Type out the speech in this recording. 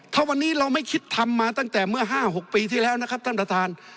ถ้าวันนี้เราไม่คิดทำมาตั้งแต่เมื่อ๕๖ปีที่แล้วนะครับท่านประธาน